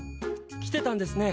来てたんですね。